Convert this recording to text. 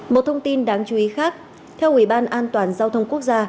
một thông tin đáng chú ý khác theo ủy ban an toàn giao thông quốc gia